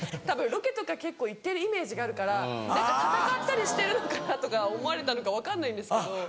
たぶんロケとか結構行ってるイメージがあるから何か戦ったりしてるのかなとか思われたのか分かんないですけど。